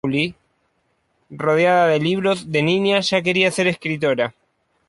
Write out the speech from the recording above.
Rodeada de libros, de niña ya quería ser escritora.